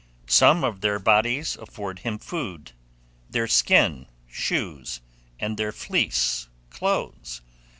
Some of their bodies afford him food, their skin shoes, and their fleece clothes.